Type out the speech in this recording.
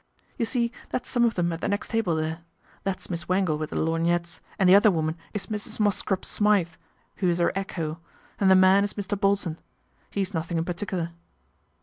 You see that's some of them at the next table there. That's Miss Wangle with the lorgnettes and the other woman is Mrs. Mosscrop Smythe, who is her echo, and the man is Mr. Bolton. He's nothing in particular."